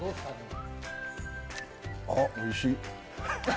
あっ、おいしい。